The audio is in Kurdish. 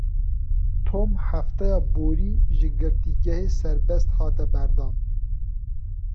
Tom hefteya borî ji girtîgehê serbest hate berdan.